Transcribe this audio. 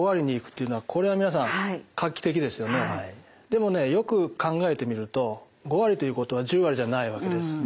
でもねよく考えてみると５割ということは１０割じゃないわけです。